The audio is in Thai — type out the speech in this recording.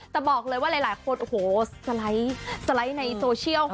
แต่บอกเลยว่าหลายคนโอ้โหสไลด์ในโซเชียล